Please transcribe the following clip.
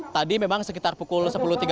tadi memang sekitar pukul sepuluh tiga puluh